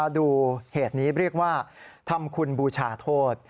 ดูเหตุนี้เรียกว่าทำคุณบูชาโทษ